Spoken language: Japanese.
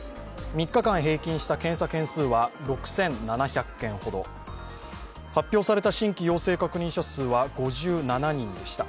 ３日間平均した検査件数は６７００件ほど発表された新規陽性確認者数は５７人でした。